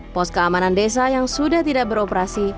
pos keamanan desa yang sudah tidak beroperasi